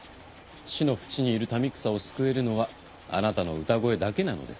死の淵にいる民草を救えるのはあなたの歌声だけなのです。